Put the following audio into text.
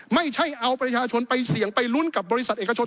ไม่ใช่เอาประชาชนไปเสี่ยงไปลุ้นกับบริษัทเอกชน